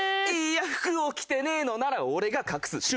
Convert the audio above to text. いや服を着てねえのなら俺が隠す。